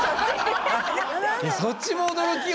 そっちも驚きよね。